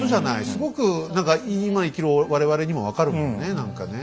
すごく何か今生きる我々にも分かるもんね何かね。